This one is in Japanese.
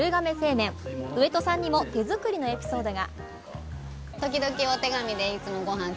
上戸さんにも手作りのエピソードが。